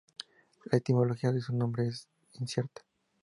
La etimología de su nombre es incierta.